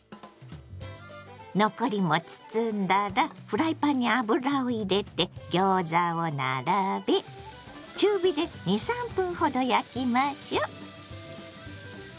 残りも包んだらフライパンに油を入れてギョーザを並べ中火で２３分ほど焼きましょ。